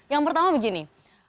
yang pertama begini